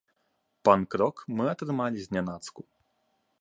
Панк-рок мы атрымалі знянацку.